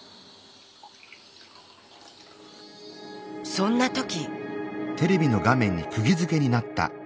そんな時。